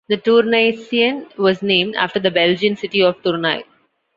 The Tournaisian was named after the Belgian city of Tournai.